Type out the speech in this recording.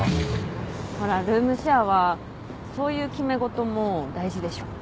ほらルームシェアはそういう決め事も大事でしょ。